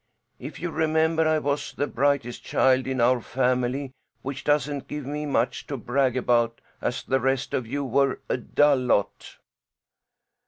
If you remember, I was the brightest child in our family, which doesn't give me much to brag about, as the rest of you were a dull lot."